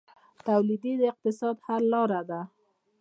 تولیدي اقتصاد د حل لاره ده